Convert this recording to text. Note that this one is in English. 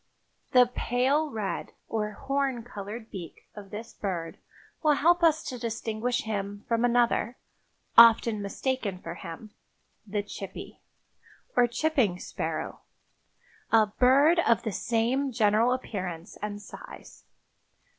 The pale red or horn colored beak of this bird will help us to distinguish him from another, often mistaken for him—the chippy, or chipping sparrow, a bird of the same general appearance and size.